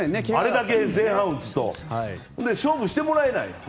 あれだけ前半打つと勝負してもらえない。